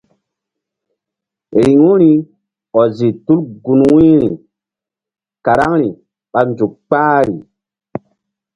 Riŋu ri ɔzi tul gun wu̧yri karaŋri ɓa nzuk kpahri.